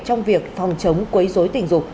trong việc phòng chống quấy rối tình dục